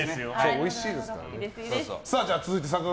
おいしいですからね。